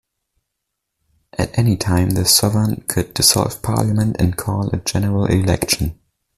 At any time the Sovereign could dissolve parliament and call a general election.